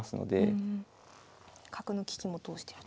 角の利きも通してると。